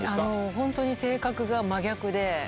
本当に性格が真逆で。